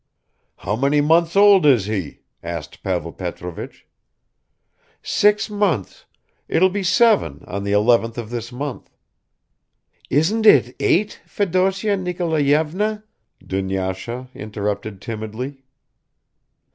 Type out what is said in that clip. "How many months old is he?" asked Pavel Petrovich. "Six months, it will be seven on the eleventh of this month." "Isn't it eight, Fedosya Nikolayevna?" Dunyasha interrupted timidly.